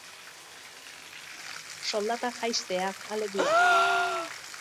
Soldata jaistea, alegia.